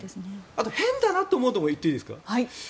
あと変だなと思うところ言っていいですか？